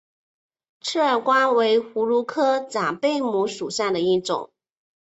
刺儿瓜为葫芦科假贝母属下的一个种。